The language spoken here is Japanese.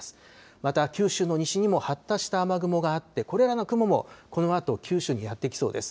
また、九州の西にも発達した雨雲があってこれらの雲もこのあと九州にやってきそうです。